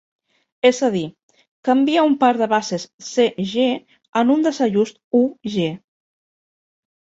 És a dir, canvia un par de bases C:G en un desajust U:G.